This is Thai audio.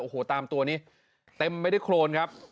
โอ้โหตามตัวนี้เต็มไปด้วยโครนครับ